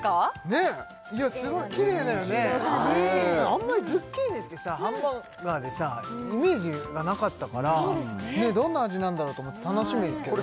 ねっいやすごいキレイだよねあんまりズッキーニってさハンバーガーでさイメージがなかったからどんな味なんだろうと思って楽しみですけどね